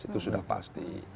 itu sudah pasti